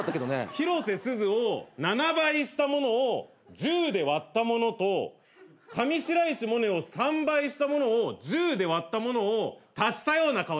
広瀬すずを７倍したものを１０で割ったものと上白石萌音を３倍したものを１０で割ったものを足したような顔。